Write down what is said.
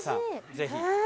ぜひ。